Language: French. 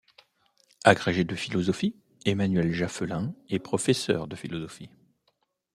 Agrégé de philosophie, Emmanuel Jaffelin est professeur de philosophie.